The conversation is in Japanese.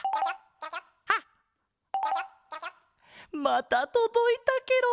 またとどいたケロ！